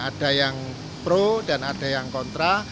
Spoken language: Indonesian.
ada yang pro dan ada yang kontra